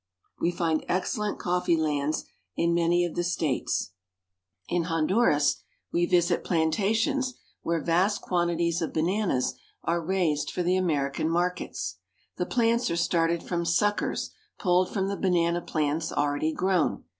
We find excellent coffee lands in many of the states. In A Banana Plantation. 348 CENTRAL AMERICA. Honduras we visit plantations where vast quantities of bananas are raised for the American markets. The plants are started from suckers pulled from the banana plants already grown.